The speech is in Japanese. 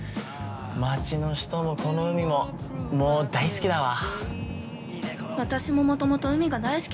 町の人も、この海ももう大好きだわ。